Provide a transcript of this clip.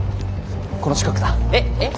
この近くだ。え？え？